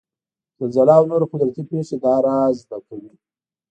زلزله او نورې قدرتي پېښې دا رازد کوي.